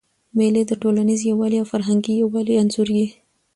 مېلې د ټولنیز یووالي او فرهنګي یووالي انځور يي.